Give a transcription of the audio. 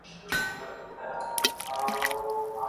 د سرچینو عادلانه وېش اړین دی.